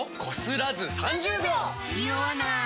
ニオわない！